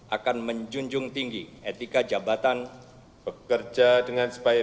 akan menjunjung tinggi etika jabatan